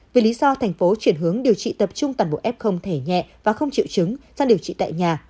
vì lý do thành phố chuyển hướng điều trị tập trung toàn bộ f thể nhẹ và không triệu chứng sang điều trị tại nhà